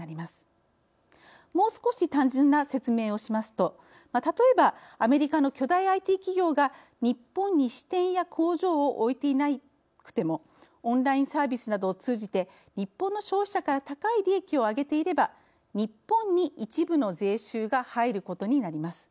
もう少し単純な説明をしますと例えばアメリカの巨大ＩＴ企業が日本に支店や工場を置いていなくてもオンラインサービスなどを通じて日本の消費者から高い利益をあげていれば日本に一部の税収が入ることになります。